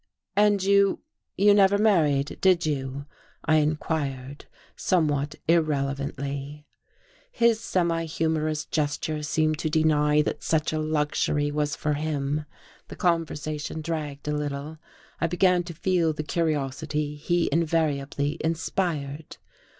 "And you, you never married, did you?" I inquired, somewhat irrelevantly. His semi humorous gesture seemed to deny that such a luxury was for him. The conversation dragged a little; I began to feel the curiosity he invariably inspired.